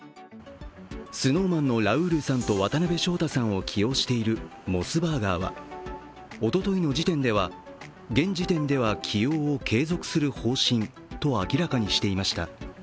ＳｎｏｗＭａｎのラウールさんと渡辺翔太さんを起用しているモスバーガーはおとといの時点では、現時点では起用を継続する方針と明らかにしました。